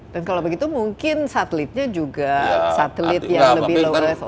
dan kalau begitu mungkin satelitnya juga satelit yang lebih low earth orbit